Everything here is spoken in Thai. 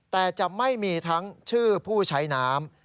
แต่จะไม่มีทั้งชื่อผู้ใช้น้ำ